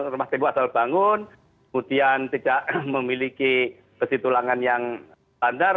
rumah tembok asal bangun kemudian tidak memiliki besi tulangan yang standar